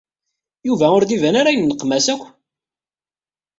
Yuba ur d-iban ara yenneqmas akk.